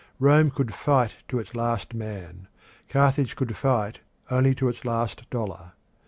Rome could fight to its last man; Carthage could fight only to its last dollar.